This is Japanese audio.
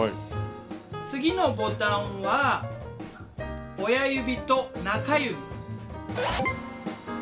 次のボタンは親指と中指。